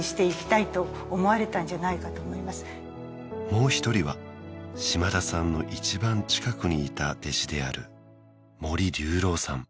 もう一人は島田さんの一番近くにいた弟子である森龍朗さん